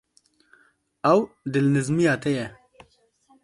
Ew dilnizmiya te ye.